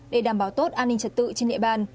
để đảm bảo tốt an ninh trật tự trên địa bàn